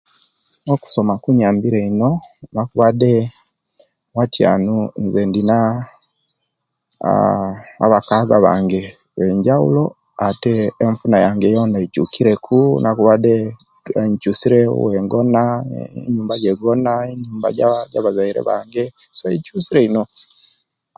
Okusoma kubayambire ino luwakubade lwatiyanu nze indina abakwagwa bange banjaulo ate enfuna yange yona ekyukire ku nakubade enkyusire owengona ne enyumba jabazaire bange enkyusire ino